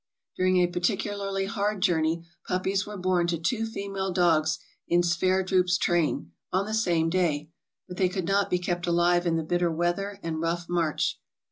During a particularly hard journey puppies were born to two female dogs in Sverdrup's train, on the same day, but they could not be kept alive in the bitter weather and rough march.